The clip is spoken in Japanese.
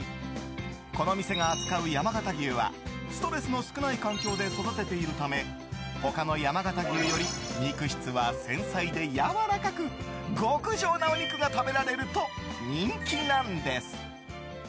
この店が扱う山形牛はストレスの少ない環境で育てているため他の山形牛より肉質は繊細でやわらかく極上なお肉が食べられると人気なんです。